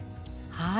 はい。